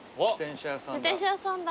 自転車屋さんだ。